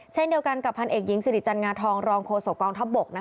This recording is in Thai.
เช่นเดียวกันกับพันเอกหญิงสิริจันงาทองรองโฆษกองทัพบก